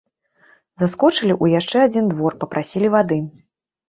Заскочылі ў яшчэ адзін двор, папрасілі вады.